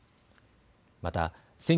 また